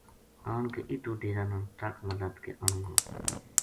آن کے اِتوں ڈیرا نا ٹرک ما لد کے آنوں گو